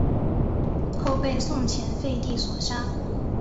后被宋前废帝所杀。